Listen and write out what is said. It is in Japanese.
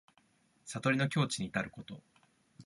悟りの境地にいたること。